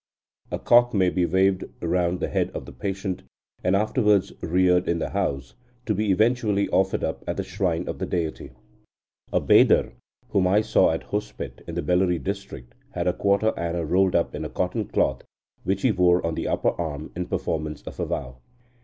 A cock may be waved round the head of the patient, and afterwards reared in the house, to be eventually offered up at the shrine of the deity. A Bedar, whom I saw at Hospet in the Bellary district, had a quarter anna rolled up in cotton cloth, which he wore on the upper arm in performance of a vow.